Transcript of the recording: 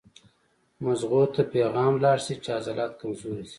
مزغو ته پېغام لاړ شي چې عضلات کمزوري دي